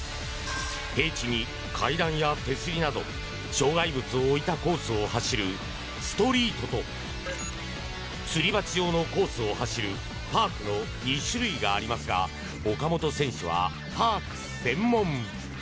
平地に、階段や手すりなど障害物を置いたコースを走るストリートとすり鉢状のコースを走るパークの２種類がありますが岡本選手は、パーク専門。